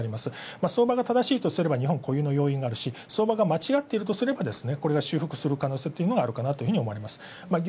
相場が正しいとすれば雇用の要因があるし、相場が間違ってるとすればこれが修復する可能性があるかなと思います。